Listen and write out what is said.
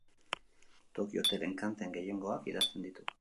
Tokio Hotelen kanten gehiengoak idazten ditu.